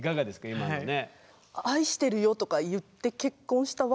今のね。